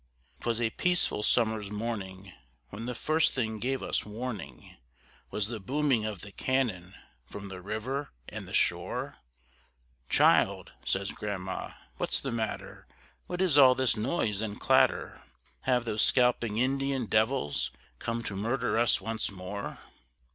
'Twas a peaceful summer's morning, when the first thing gave us warning Was the booming of the cannon from the river and the shore: "Child," says grandma, "what's the matter, what is all this noise and clatter? Have those scalping Indian devils come to murder us once more?"